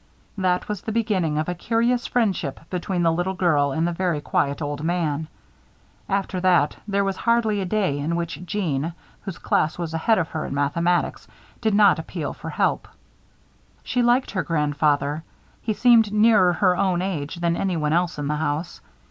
That was the beginning of a curious friendship between the little girl and the very quiet old man. After that, there was hardly a day in which Jeanne, whose class was ahead of her in mathematics, did not appeal for help. She liked her grandfather. He seemed nearer her own age than anyone else in the house.